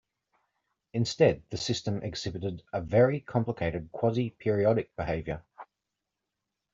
Instead, the system exhibited a very complicated quasi-periodic behavior.